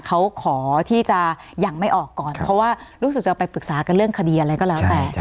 เขาขอที่จะยังไม่ออกก่อนเพราะว่ารู้สึกจะไปปรึกษากันเรื่องคดีอะไรก็แล้วแต่